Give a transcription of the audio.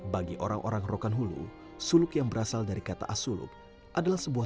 bagi orang orang rokan hulu suluk yang berasal dari kata asullub adalah sebuah